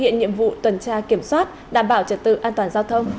nhiệm vụ tuần tra kiểm soát đảm bảo trật tự an toàn giao thông